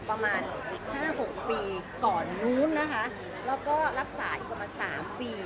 ประมาณ๕๖ปีก่อนุ้นแล้วก็รับศาสตร์อีกประมาณ๓ปี